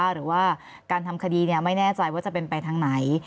หรือว่าการทำคดีไม่แน่ใจว่าจะเป็นไปทางไหน